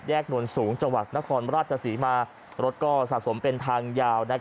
นวลสูงจังหวัดนครราชศรีมารถก็สะสมเป็นทางยาว